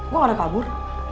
gue gak ada kabur